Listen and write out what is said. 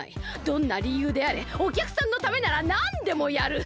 どんなりゆうであれおきゃくさんのためならなんでもやる。